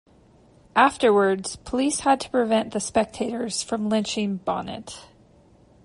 Afterwards police had to prevent the spectators from lynching Bonnot.